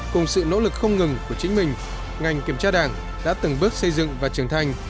cùng sự nỗ lực không ngừng của chính mình ngành kiểm tra đảng đã từng bước xây dựng và trưởng thành